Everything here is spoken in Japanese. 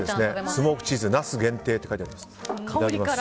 スモークチーズ那須限定って書いてあります。